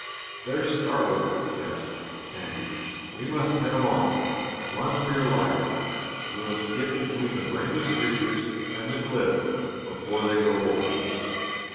"They're startled!" gasped Sandy. "We must head 'em off. Run for your life! We must get between the brainless creatures and the cliff before they go over."